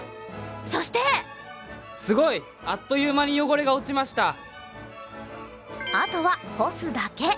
そしてあとは干すだけ。